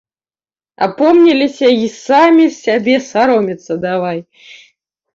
Апомніліся й самі сябе саромецца давай.